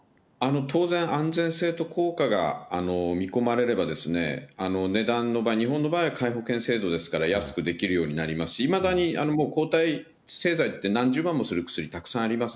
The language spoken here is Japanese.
当然、安全性と効果が見込まれればですね、値段の、日本の場合、皆保険制度ですから、安くできるようになりますし、いまだに抗体製剤って、何十万もする薬たくさんあります。